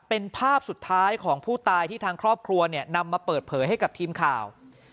เป็นภาพสุดท้ายของผู้ตายที่ทางครอบครัวเนี่ยนำมาเปิดเผยให้กับทีมข่าว